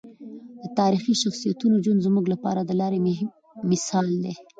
د تاریخي شخصیتونو ژوند زموږ لپاره د لارې مشال دی.